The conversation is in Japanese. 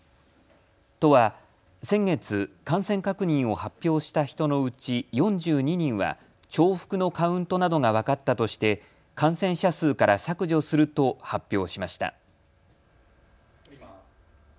都は先月、感染確認を発表した人のうち４２人は重複のカウントなどが分かったとして感染者数から削除すると発表しました。